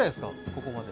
ここまで。